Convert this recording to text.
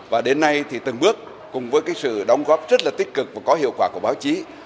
và đến nay thì từng bước cùng với sự đóng góp rất là tích cực và có hiệu quả của báo chí